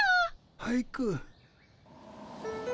俳句？